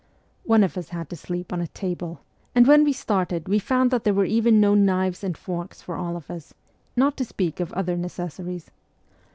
One of us had to sleep on a table, and when we started we found that there were even no knives and forks for all of us not to speak of other necessaries.